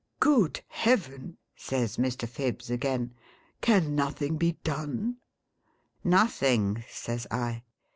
' Good Heaven !' says Mr. Phibbs, again ;' can nothing be done V ' Nothing,' says I.